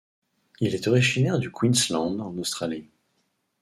Il est originaire du Queensland, en Australie.